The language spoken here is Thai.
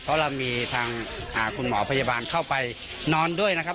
เพราะเรามีทางคุณหมอพยาบาลเข้าไปนอนด้วยนะครับ